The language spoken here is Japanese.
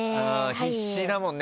必死だもんね。